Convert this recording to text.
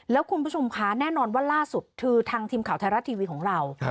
แล้วคุณผู้ชมคะแน่นอนว่าล่าสุดคือทางทีมข่าวไทยรัฐทีวีของเรา